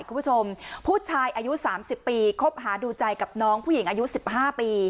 คุณผู้ชมผู้ชายอายุ๓๐ปีคบหาดูใจกับน้องผู้หญิงอายุ๑๕ปี